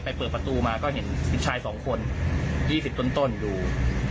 ไปเปิดประตูมาก็เห็นพี่ชายสองคน๒๐ต้นอยู่